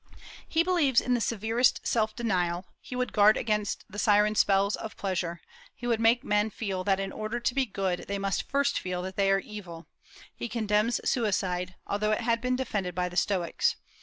He believes in the severest self denial; he would guard against the siren spells of pleasure; he would make men feel that in order to be good they must first feel that they are evil. He condemns suicide, although it had been defended by the Stoics.